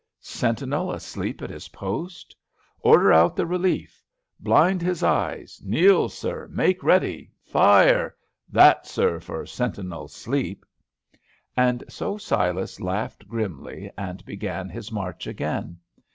Sentinel asleep at his post. Order out the relief. Blind his eyes. Kneel, sir. Make ready. Fire. That, sir, for sentinels asleep." And so Silas laughed grimly, and began his march again.